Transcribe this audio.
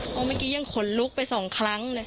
เพราะเมื่อกี้ยังขนลุกไปสองครั้งเลย